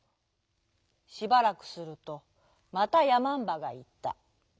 しばらくするとまたやまんばがいった。